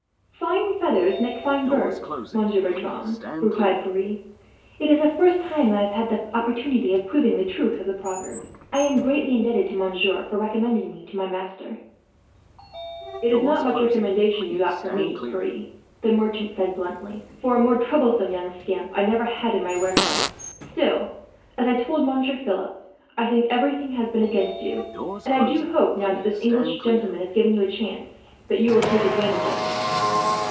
"Fine feathers make fine birds, Monsieur Bertram," replied Pierre. "It is the first time I have had the opportunity of proving the truth of the proverb. I am greatly indebted to monsieur, for recommending me to my master." "It is not much recommendation you got from me, Pierre," the merchant said bluntly; "for a more troublesome young scamp I never had in my warehouse. Still, as I told Monsieur Philip, I think everything has been against you; and I do hope, now that this English gentleman has given you a chance, that you will take advantage of it."